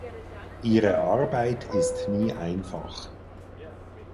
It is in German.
Ihre Arbeit ist nie einfach.